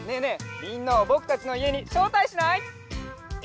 みんなをぼくたちのいえにしょうたいしない？